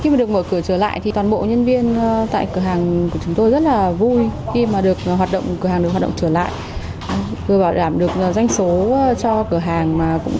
khi được mở cửa trở lại thì toàn bộ nhân viên tại cửa hàng